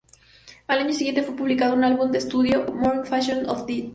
Al año siguiente fue publicado un nuevo álbum de estudio, "Morbid Fascination of Death".